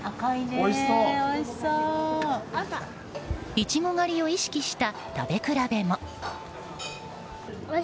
イチゴ狩りを意識した食べ比べも。